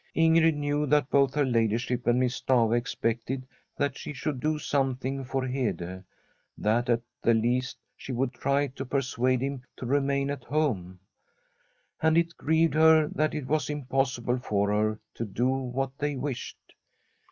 Ingrid knew that both her ladyship and Miss Stafva expected that she should do something for Hede, that at the least she would try and per suade him to remain at home. And it grieved her that it was impossible for her to do what they wished.